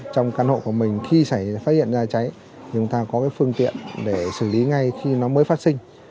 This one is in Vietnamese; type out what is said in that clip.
trong căn hộ của mình khi xảy ra cháy thì chúng ta có cái phương tiện để xử lý ngay khi nó mới phát sinh